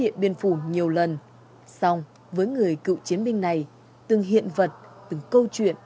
cảm ơn các bạn đã theo dõi